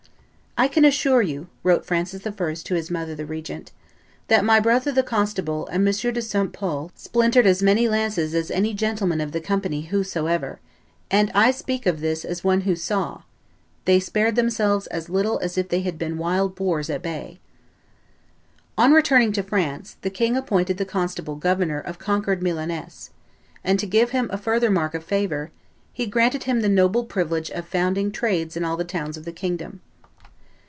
"I can assure you," wrote Francis I. to his mother, the regent, "that my brother the constable and M. de St. Pol splintered as many lances as any gentlemen of the company whosoever; and I speak of this as one who saw; they spared themselves as little as if they had been wild boars at bay." On returning to France the king appointed the constable governor of conquered Milaness; and to give him a further mark of favor, "he granted him the noble privilege of founding trades in all the towns of the kingdom.